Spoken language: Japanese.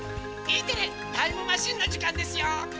「Ｅテレタイムマシン」のじかんですよ。